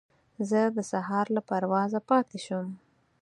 زه د سهار له پروازه پاتې شوم.